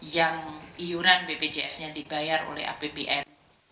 yang iuran bpjs nya dibayar oleh apbn